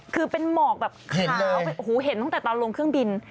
คือเป็นหมอกแบบขาวโอ้โหเห็นตั้งแต่ตอนลงเครื่องบิน